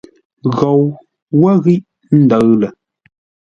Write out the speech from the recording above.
Ghou wə́ ghíʼ ndəʉ lə.